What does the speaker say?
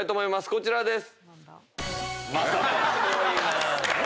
こちらです。